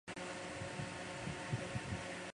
冰河中的冰混合有尘土和岩石。